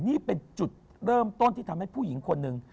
นี่เป็นจุดเริ่มต้นที่ทำให้ผู้หญิงคนหนึ่ง